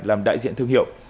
làm đại diện thương hiệu